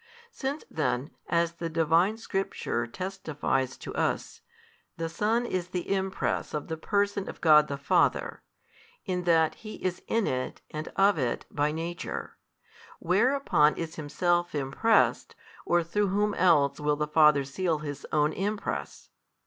Since then, as the Divine Scripture testifieth to us, the Son is the Impress of the Person of God the Father, in that He is in It and of It by Nature, whereupon is Himself impressed, or through whom else will the Father seal His Own Impress?